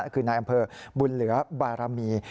คือนายอำเภอบุญเหลือบารมี